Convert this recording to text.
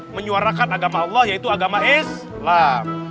menyuarakan agama allah yaitu agama islam